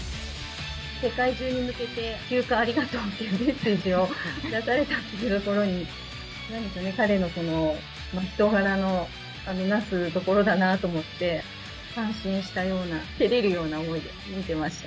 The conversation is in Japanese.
世界中に向けて休暇ありがとうっていうメッセージを出されたっていうところに、なんですかね、彼の人柄の成すところだなと思って、感心したような、照れるような思いで見てました。